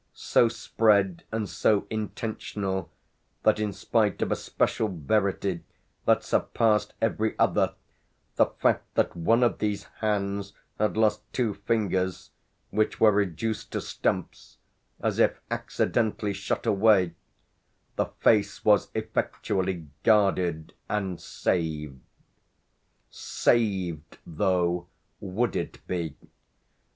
so spread and so intentional that, in spite of a special verity that surpassed every other, the fact that one of these hands had lost two fingers, which were reduced to stumps, as if accidentally shot away, the face was effectually guarded and saved. "Saved," though, would it be?